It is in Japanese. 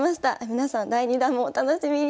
皆さん第２弾もお楽しみに。